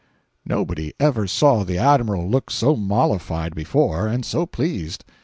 Nobody ever saw the Admiral look so mollified before, and so pleased.